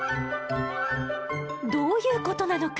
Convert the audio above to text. どういうことなのか？